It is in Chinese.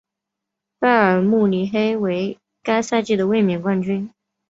拜仁慕尼黑为该赛季的卫冕冠军。